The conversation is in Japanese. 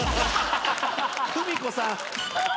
久美子さん！